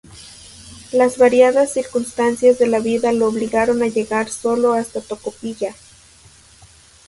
Las variadas circunstancias de la vida lo obligaron a llegar solo hasta Tocopilla.